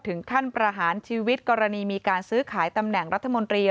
ถึงขั้นประหารชีวิตกรณีมีการซื้อขายตำแหน่งรัฐมนตรี